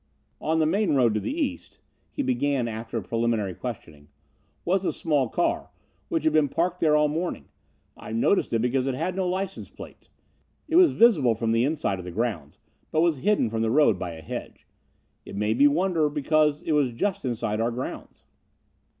"On the main road to the east," he began after preliminary questioning, "was a small car which had been parked there all morning. I noticed it because it had no license plates. It was visible from the inside of the grounds, but was hidden from the road by a hedge. It made me wonder because it was just inside our grounds.